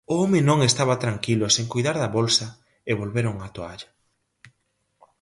O home non estaba tranquilo sen coidar da bolsa e volveron á toalla.